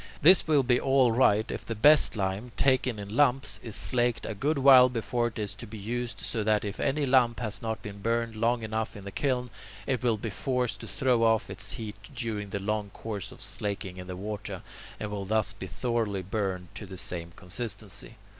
This will be all right if the best lime, taken in lumps, is slaked a good while before it is to be used, so that if any lump has not been burned long enough in the kiln, it will be forced to throw off its heat during the long course of slaking in the water, and will thus be thoroughly burned to the same consistency.